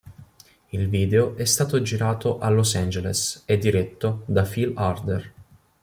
Il video è stato girato a Los Angeles e diretto da Phil Harder.